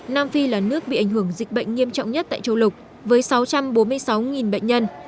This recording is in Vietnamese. nam phi là nước bị ảnh hưởng dịch bệnh nghiêm trọng nhất tại châu lục với sáu trăm bốn mươi sáu bệnh nhân